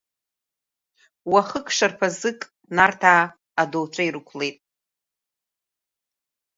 Уахык шарԥазык Нарҭаа адоуцәа ирықәлеит.